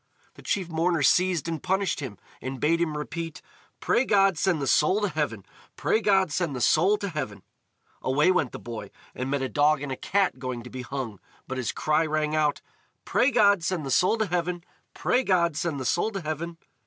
The chief mourner seized and punished him, and bade him repeat: "Pray God send the soul to heaven! Pray God send the soul to heaven!" Away went the boy, and met a dog and a cat going to be hung, but his cry rang out: "Pray God send the soul to heaven! Pray God send the soul to heaven!"